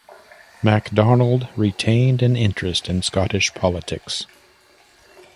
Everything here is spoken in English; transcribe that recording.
MacDonald retained an interest in Scottish politics.